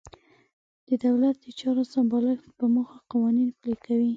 د دولت د چارو سمبالښت په موخه قوانین پلي کوي.